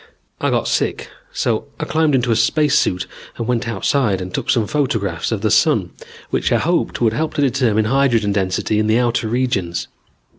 I got sick so I climbed into a spacesuit and went outside and took some photographs of the Sun which I hoped would help to determine hydrogen density in the outer regions.